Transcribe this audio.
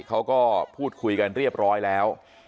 เขาก็พูดคุยกันเรียบร้อยแล้ว